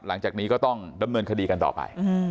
หลังจากนี้ก็ต้องดำเนินคดีกันต่อไป